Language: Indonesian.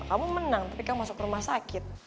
kamu menang tapi kamu masuk rumah sakit